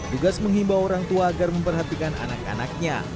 tugas menghimbau orang tua agar memperhatikan anak anaknya